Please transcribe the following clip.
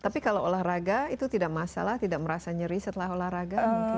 tapi kalau olahraga itu tidak masalah tidak merasa nyeri setelah olahraga